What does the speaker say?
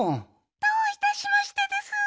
どういたしましてでスー。